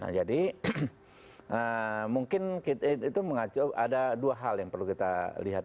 nah jadi mungkin itu mengacu ada dua hal yang perlu kita lihat